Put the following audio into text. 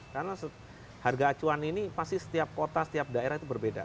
karena harga acuan ini pasti setiap kota setiap daerah itu berbeda